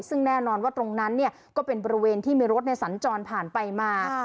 ซึ่งแน่นอนว่าตรงนั้นก็เป็นบริเวณที่มีรถสัญจรผ่านไปมา